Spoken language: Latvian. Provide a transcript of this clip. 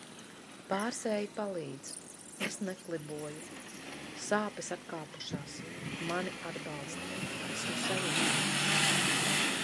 Pārsēji palīdz, es nekliboju. Sāpes atkāpušās. Mani atbalsta. Esmu sajūsmā.